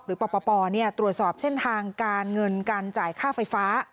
ปปตรวจสอบเส้นทางการเงินการจ่ายค่าไฟฟ้า